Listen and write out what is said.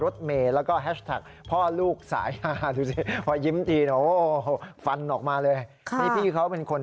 พี่เขาเป็นคนฟันไม่เข้านะน้ำเหนียวนะ